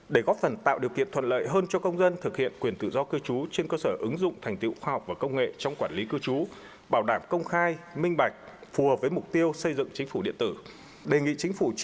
để góp phần tạo điều kiện thuận lợi hơn cho công dân thực hiện quyền tự do cư trú trên cơ sở ứng dụng thành tiệu khoa học và công nghệ trong quản lý cư trú bảo đảm công khai minh bạch phù hợp với mục tiêu xây dựng chính phủ điện tử